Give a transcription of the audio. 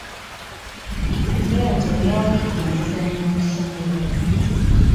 Airtel yawagidde emizannyo mu ssomero.